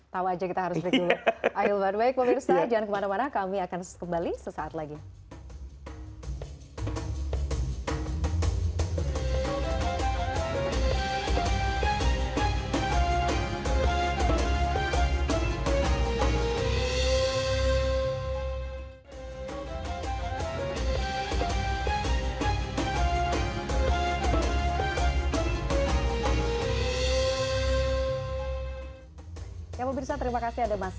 tahu aja kita harus berkulit